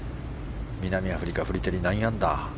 南アフリカ、フリテリ９アンダー。